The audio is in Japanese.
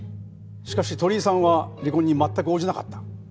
しかし鳥居さんは離婚に全く応じなかった。